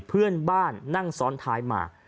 เพื่อนบ้านนั่งซ้อนท้ายมา